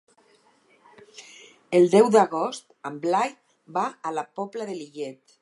El deu d'agost en Blai va a la Pobla de Lillet.